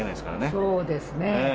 そうですね。